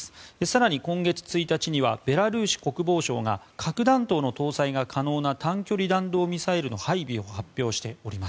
更に今月１日にはベラルーシ国防省が核弾頭の搭載が可能な単距離弾道ミサイルの配備を発表しております。